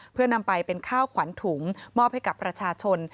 เพื่อนำไปเป็นข้าวขวัญถุงมอบให้กับประชาชน